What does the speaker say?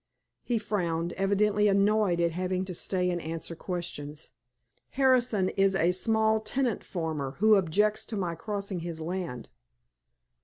He frowned, evidently annoyed at having to stay and answer questions. "Harrison is a small tenant farmer who objects to my crossing his land."